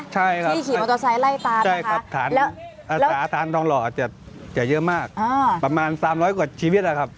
ใช่ครับใช่ครับอาสาสารทองหล่อจะเยอะมากประมาณ๓๐๐กว่าชีวิตแล้วครับ